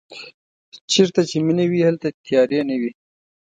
چېرته چې مینه وي هلته تیارې نه وي.